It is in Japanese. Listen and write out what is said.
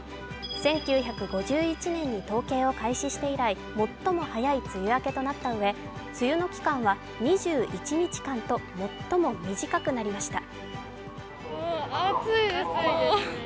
１９５１年に統計を開始して以来、最も早い梅雨明けとなったうえ、梅雨の期間は２１日間と最も短くなりました。